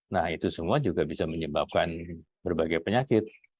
nah itu semua juga bisa menyebabkan berbagai penyakit